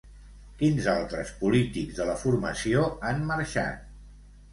Quins altres polítics de la formació han marxat?